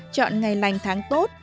chọn ngày lành tháng tốt